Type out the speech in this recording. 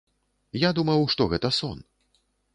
Я думаў, што гэта сон.